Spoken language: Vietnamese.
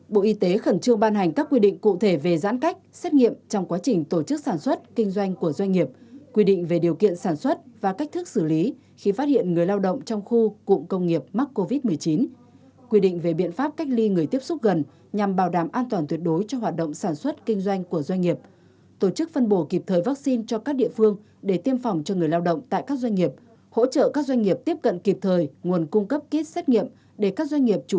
bốn bộ y tế khẩn trương ban hành các quy định cụ thể về giãn cách xét nghiệm trong quá trình tổ chức sản xuất kinh doanh của doanh nghiệp quy định về điều kiện sản xuất và cách thức xử lý khi phát hiện người lao động trong khu cụm công nghiệp mắc covid một mươi chín quy định về biện pháp cách ly người tiếp xúc gần nhằm bảo đảm an toàn tuyệt đối cho hoạt động sản xuất kinh doanh của doanh nghiệp tổ chức phân bố kịp thời vaccine cho các địa phương để tiêm phòng cho người lao động tại các doanh nghiệp hỗ trợ các doanh nghiệp tiếp cận kịp thời nguồn cung cấp kết xét nghi